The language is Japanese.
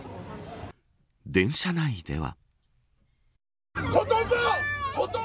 電車内では。